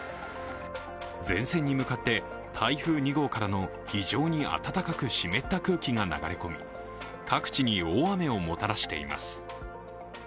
前線に向かって台風２号からの非常に暖かく湿った空気が流れ込み、各地に大雨をもたらしています。